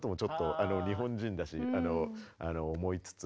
あぁ。日本人だし思いつつも。